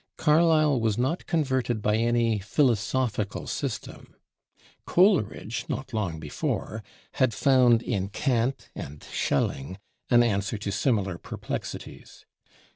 Carlyle was not converted by any philosophical system. Coleridge, not long before, had found in Kant and Schelling an answer to similar perplexities.